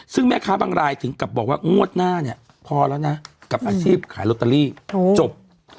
ซึ่งแม่ค้าบางรายถึงกับบอกว่างวดหน้าเนี่ยพอแล้วนะกับอาชีพขายลอตเตอรี่จบ